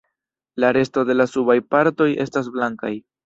La resto de la subaj partoj estas blankaj.